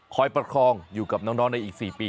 ประคองอยู่กับน้องในอีก๔ปี